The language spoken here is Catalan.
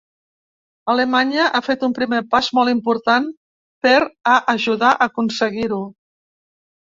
Alemanya ha fet un primer pas molt important per a ajudar a aconseguir-ho!